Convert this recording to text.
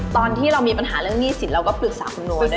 ตอนที่เรามีปัญหาเรื่องหนี้สินเราก็ปรึกษาคุณโน๊ด้วย